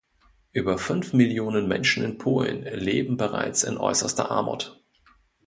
Über fünf Millionen Menschen in Polen leben bereits in äußerster Armut.